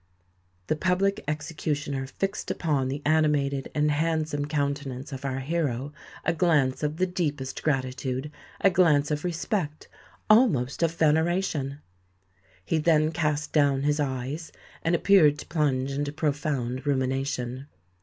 The Public Executioner fixed upon the animated and handsome countenance of our hero a glance of the deepest gratitude—a glance of respect, almost of veneration! He then cast down his eyes, and appeared to plunge into profound rumination.